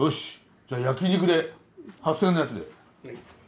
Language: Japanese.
じゃあ焼肉で８，０００円のやつで。